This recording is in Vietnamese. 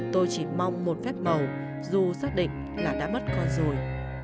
tôi chỉ mong một phép màu dù xác định là đã mất con rồi